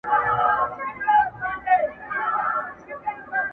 شمع دي وي له امتحانه پر شا نه راځمه,